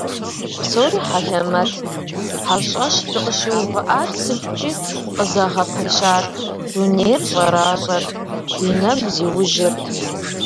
Псори хьэлэмэтт, хьэщӀэщ дыкъыщыувыӀар сыткӀи къызэгъэпэщат, дунейр щӀэращӀэрт, ди нэгу зиужьырт…